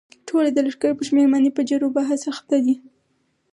ټوله د لښکر پر شمېر باندې په جرو بحث اخته دي.